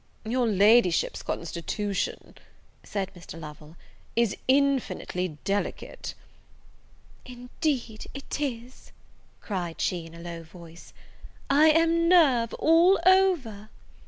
"Your Ladyship's constitution," said Mr. Lovel, "is infinitely delicate." "Indeed it is," cried she, in a low voice, "I am nerve all over!"